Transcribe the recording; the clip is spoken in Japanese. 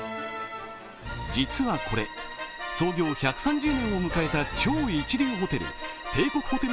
実はこれ、創業１３０年を迎えた超一流ホテル帝国ホテル